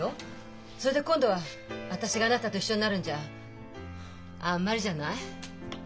それで今度は私があなたと一緒になるんじゃあんまりじゃない？